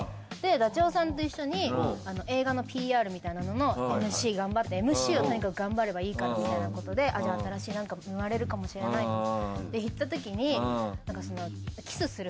でダチョウさんと一緒に映画のＰＲみたいなののＭＣ頑張ってＭＣをとにかく頑張ればいいからみたいなことであっじゃあ新しい何か生まれるかもしれないいったときに。